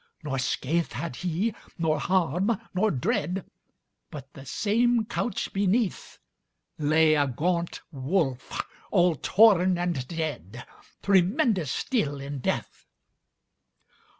Nor scath had he, nor harm, nor dread, But, the same couch beneath, Lay a gaunt wolf, all torn and dead, Tremendous still in death.